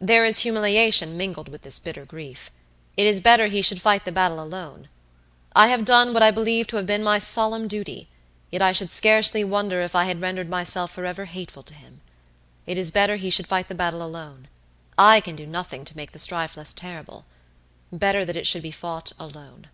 There is humiliation mingled with this bitter grief. It is better he should fight the battle alone. I have done what I believe to have been my solemn duty, yet I should scarcely wonder if I had rendered myself forever hateful to him. It is better he should fight the battle alone. I can do nothing to make the strife less terrible. Better that it should be fought alone."